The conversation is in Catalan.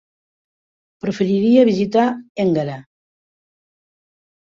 Preferiria visitar Énguera.